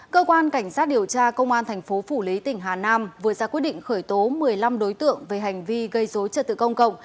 cơ quan cảnh sát điều tra công an thành phố phủ lý tỉnh hà nam vừa ra quyết định khởi tố một mươi năm đối tượng về hành vi gây dối trật tự công cộng